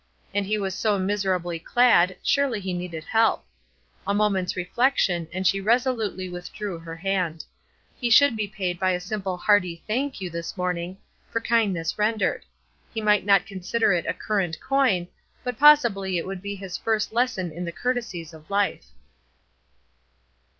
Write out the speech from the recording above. And he was so miserably clad, surely he needed help. A moment's reflection, and she resolutely withdrew her hand. He should be paid by a simple hearty, "Thank you!" this morning, for kindness rendered. He might not consider it a current coin, but possibly it would be his first lesson in the courtesies of life.